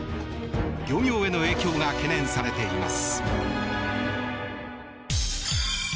漁業への影響が懸念されています。